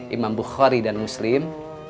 imam bukhari dan muslim